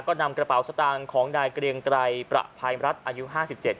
ก็นำกระเป๋าสตางค์ของนายเกรียงไกรประภัยรัฐอายุห้าสิบเจ็ด